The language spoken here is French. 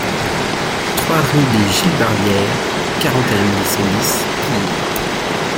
trois rue des Gilbardières, quarante et un mille cent dix Pouillé